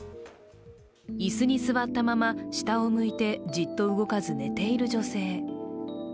椅子に座ったまま下を向いてじっと動かず寝ている女性。